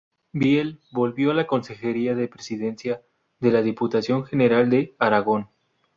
Biel volvió a la Consejería de Presidencia de la Diputación General de Aragón.